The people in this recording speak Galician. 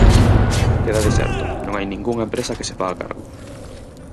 Queda deserto, non hai ningunha empresa que se faga cargo.